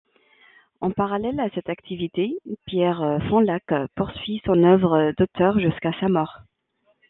En parallèle à cette activité, Pierre Fanlac poursuit son œuvre d'auteur jusqu'à sa mort.